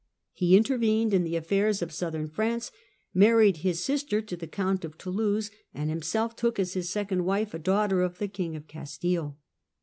He intervened in the affairs of southern France, married his sister to the Count of Toulouse, and himself took as his second wife a daughter of the King of Castile.